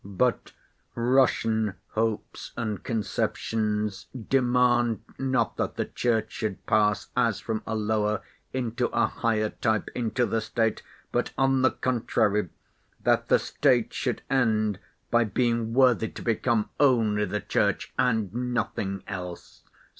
But Russian hopes and conceptions demand not that the Church should pass as from a lower into a higher type into the State, but, on the contrary, that the State should end by being worthy to become only the Church and nothing else.